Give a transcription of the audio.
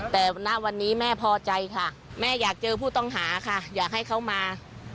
แต่ณวันนี้แม่พอใจค่ะแม่อยากเจอผู้ต้องหาค่ะอยากให้เขามา